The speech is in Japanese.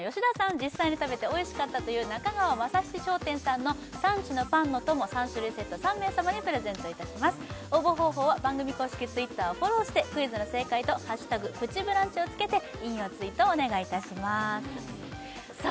実際に食べておいしかったという中川政七商店さんの産地のパンのとも３種類セット３名様にプレゼントいたします応募方法は番組公式Ｔｗｉｔｔｅｒをフォローしてクイズの正解と「＃プチブランチ」をつけて引用ツイートお願いいたしますさあ